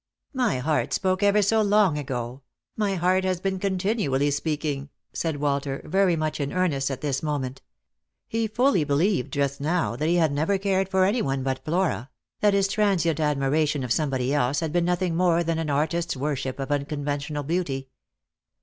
" My heart spoke ever so long ago ; my heart has been con tinually speaking," said Walter, very much in earnest at this moment. He fully believed just now that he had never cared r or any one but Flora — that his transient admiration of some body else had been nothing more than an artist's worship of unconventional beauty.